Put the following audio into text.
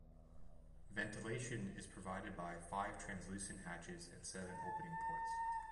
Ventilation is provided by five translucent hatches and seven opening ports.